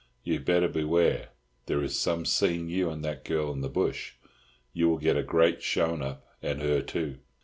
You better bewar there is some seen you and that girl in the bush you will get a grate shown up and her two."